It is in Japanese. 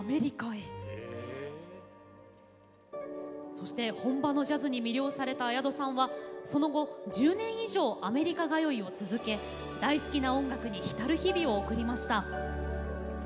そして本場のジャズに魅了された綾戸さんはその後１０年以上アメリカ通いを続け大好きな音楽に浸る日々を送りました。